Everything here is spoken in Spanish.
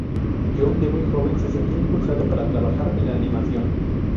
John, de muy joven, se sentía impulsado para trabajar en la animación.